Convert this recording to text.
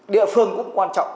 địa phương cũng quan trọng